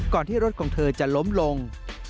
ที่รถของเธอจะล้มลง